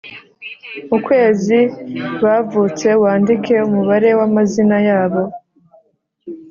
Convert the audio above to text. ukwezi bavutse wandike umubare w amazina yabo